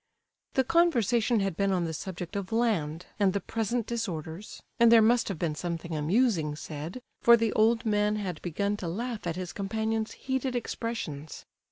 The conversation had been on the subject of land, and the present disorders, and there must have been something amusing said, for the old man had begun to laugh at his companion's heated expressions.